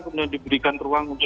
kemudian diberikan ruang